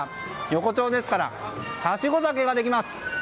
横丁ですからはしご酒ができます。